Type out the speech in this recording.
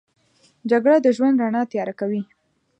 جګړه د ژوند رڼا تیاره کوي